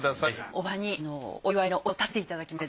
伯母にお祝いのお茶をたてていただきます